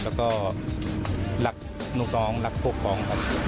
และที่รักลูกอ้องและพวกย้อง